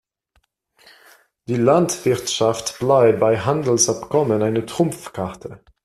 Die Landwirtschaft bleibt bei Handelsabkommen eine Trumpfkarte.